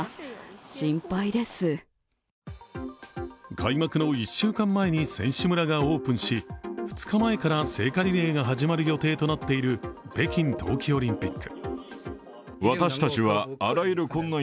開幕の１週間前に選手村がオープンし２日前から聖火リレーが始まる予定となっている北京冬季オリンピック。